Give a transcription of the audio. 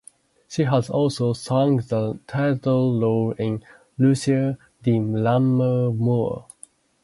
She has also sung the title role in "Lucia di Lammermoor".